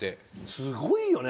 すごいよね